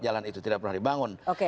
jalan itu tidak pernah dibangun